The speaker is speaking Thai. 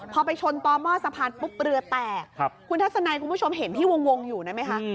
พอไปชนต่อหม้อสะพานปุ๊บเรือแตกคุณทัศนัยคุณผู้ชมเห็นที่วงอยู่นั่นไหมคะ